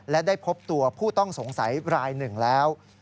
และได้พบตัวผู้ต้องสงสัยรายหนึ่งแล้ว